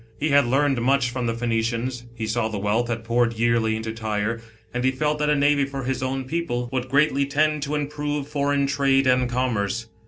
He had learned much from the Phoenicians ; he saw the wealth that poured yearly into T} r re, and he felt thct a navy for his own people, would greatly tend to improve foreign trade and commerce.